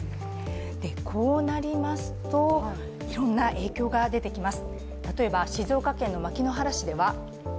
こうなりますと、いろんな影響が出てきます。